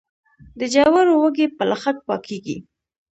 د جوارو وږي په لښک پاکیږي.